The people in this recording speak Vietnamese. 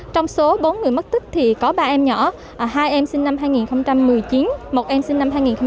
trong số bốn người mất tích thì có ba em nhỏ hai em sinh năm hai nghìn một mươi chín một em sinh năm hai nghìn một mươi bảy